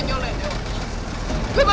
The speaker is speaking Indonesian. gak ada gunanya